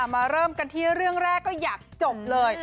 เริ่มกันที่เรื่องแรกก็อยากจบเลย